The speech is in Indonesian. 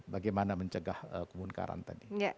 bagaimana mencegah kemunkaran tadi